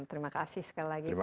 terima kasih sekali lagi pak rivan